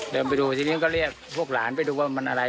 เดินไปดูทีนี้มันก็เรียกพวกหลานไปดูว่ามันอะไร